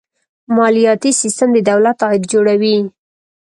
مالیاتي سیستم د دولت عاید جوړوي.